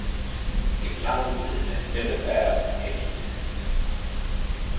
Ibland blir det lite väl hektiskt.